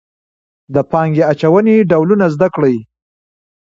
د پانګې اچونې ډولونه زده کړئ.